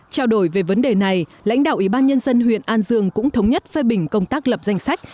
trao đổi về vấn đề này lãnh đạo ủy ban nhân dân huyện an dương cũng thống nhất phê bình công tác lập danh sách